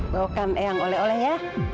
bawakan yang oleh oleh ya